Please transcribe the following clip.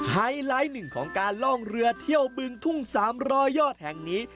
ไฮไลท์หนึ่งของการล่องเรือเที่ยวบึงทุ่ง๓๐๐ยอดแห่งนี้